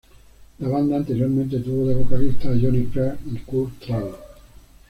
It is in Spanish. La banda anteriormente tuvo de vocalistas a Jonny Craig y Kurt Travis.